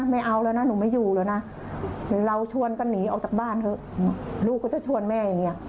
ไม่เอาแล้วนะหนูไม่อยู่แล้วนะเราชวนกันหนีออกจากบ้านเถอะลูกก็จะชวนแม่อย่างนี้